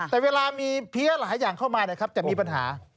แต่เวลามีเพียร์หลายอย่างเข้ามาจะมีปัญหา